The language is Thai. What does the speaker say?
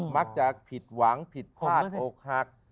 มักจะผิดหวังผิดภาษณ์โอ้คหัก